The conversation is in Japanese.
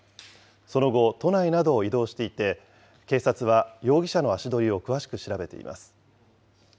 その後、都内などを移動していて、警察は容疑者の足取りを詳しく調べています。